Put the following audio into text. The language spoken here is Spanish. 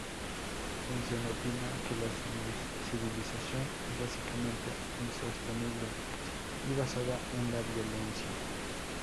Jensen opina que la civilización es básicamente insostenible y basada en la violencia.